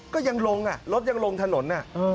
ก็ยังลงรถยังลงถนน